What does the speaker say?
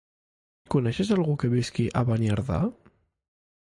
Coneixes algú que visqui a Beniardà?